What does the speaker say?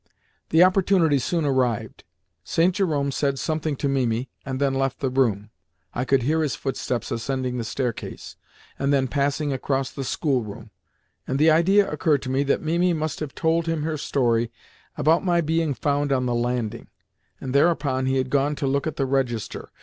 The opportunity soon arrived. St. Jerome said something to Mimi, and then left the room, I could hear his footsteps ascending the staircase, and then passing across the schoolroom, and the idea occurred to me that Mimi must have told him her story about my being found on the landing, and thereupon he had gone to look at the register.